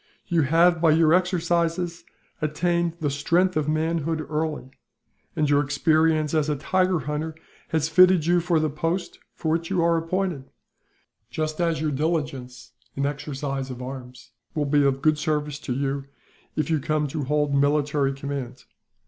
You have, by your exercises, attained the strength of manhood early; and your experience as a tiger hunter has fitted you for the post for which you are appointed, just as your diligence in exercise in arms will be of good service to you, if you come to hold military command.